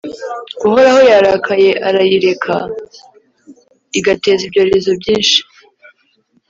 Uhoraho yarakaye arayireka igateza ibyorezo byinshi,